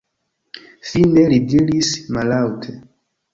Fine li diris mallaŭte: